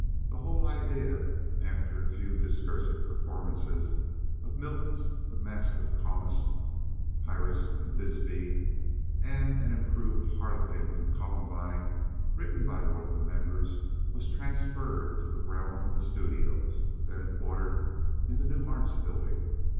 The whole idea, after a few discursive performances of Milton's "The Masque of Comus," "Pyramus and Thisbe," and an improved Harlequin and Columbine, written by one of the members, was transferred to the realm of the studios, then quartered in the New Arts Building.